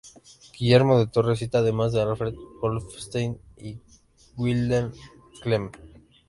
Guillermo de Torre cita además a Alfred Wolfenstein y Wilhelm Klemm.